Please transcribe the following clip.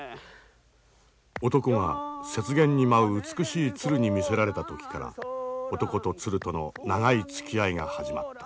男は雪原に舞う美しい鶴に魅せられた時から男と鶴との長いつきあいが始まった。